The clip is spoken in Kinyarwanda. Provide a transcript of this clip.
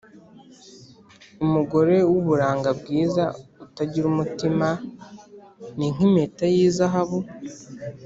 umugore w’uburanga bwiza utagira umutima, ni nk’impeta y’izahabu